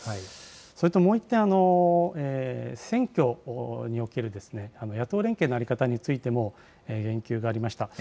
それともう一点、選挙における、野党連携の在り方についても言及がありました。